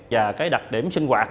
và cái đặc điểm sinh hoạt